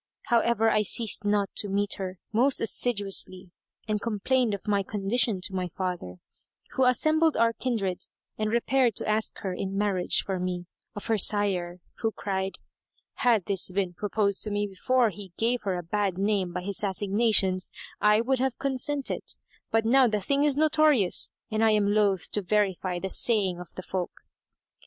However I ceased not to meet her most assiduously and complained of my condition to my father, who assembled our kindred and repaired to ask her in marriage for me, of her sire, who cried, "Had this been proposed to me before he gave her a bad name by his assignations, I would have consented; but now the thing is notorious and I am loath to verify the saying of the folk."